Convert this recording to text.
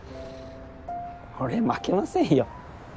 俺負けませんよ。